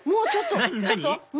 何？